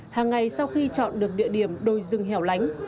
hàng ngày sau khi chọn được địa điểm đồi rừng hẻo lánh